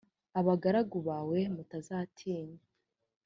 abagaragu bawe mutazatinya